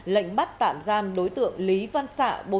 lệnh bắt tạm giam đối tượng lý văn sạ